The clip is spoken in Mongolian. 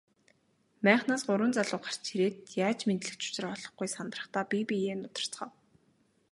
Майхнаас гурван залуу гарч ирээд яаж мэндлэх ч учраа олохгүй сандрахдаа бие биеэ нударцгаав.